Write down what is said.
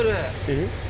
えっ？